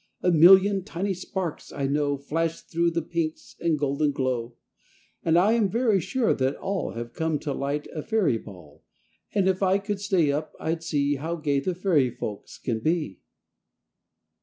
A million tiny sparks I know Flash through the pinks and golden glow, And I am very sure that all Have come to light a fairy ball, And if I could stay up I'd see How gay the fairy folks can be!